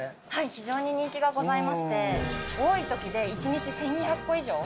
非常に人気がございまして多い時で１日１２００個以上。